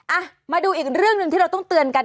อ่ะมาดูอีกเรื่องหนึ่งที่เราต้องเตือนกัน